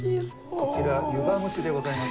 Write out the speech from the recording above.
こちら、湯葉蒸しでございます。